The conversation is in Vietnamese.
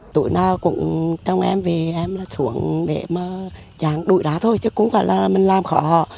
tụi nào cũng trong em vì em là xuống để mà chẳng đuổi đá thôi chứ cũng phải là mình làm khó họ